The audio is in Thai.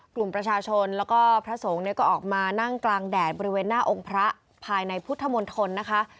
กลุ่มประชาชนแล้วก็พระสงฆ์เนี่ยก็ออกมานั่งกลางแดดบริเวณหน้าองค์พระภายในพุทธมณฑลนะคะ